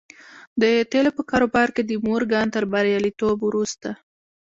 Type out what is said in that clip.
د تيلو په کاروبار کې د مورګان تر برياليتوب وروسته.